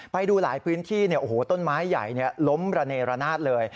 ไปดูหลายพื้นที่ต้นไม้ใหญ่ล้มระเนรนาศเลย